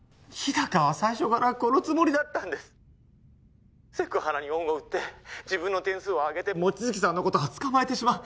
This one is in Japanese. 高は最初からこのつもりだったんです☎セク原に恩を売って自分の点数を上げて望月さんのことは捕まえてしまう